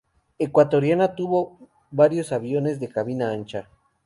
Ecuatoriana tuvo varios aviones de cabina ancha.